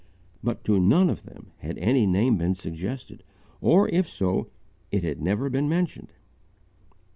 But to none of them had any name been suggested, or, if so, it had never been mentioned.